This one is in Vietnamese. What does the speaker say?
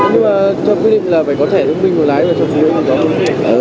nhưng mà cho quy định là phải có thẻ thương minh mà lái rồi cho chú ấy thì có